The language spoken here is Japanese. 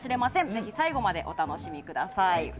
ぜひ最後までお楽しみください。